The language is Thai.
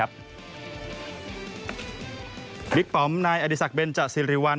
บิ๊กป๋อมนายอดิษักเบนเจ้าซิริวัล